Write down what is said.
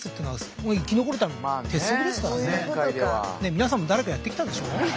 皆さんも誰かやってきたでしょう？